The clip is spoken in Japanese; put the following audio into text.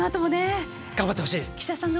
頑張ってほしい。